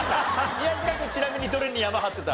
宮近君ちなみにどれにヤマ張ってた？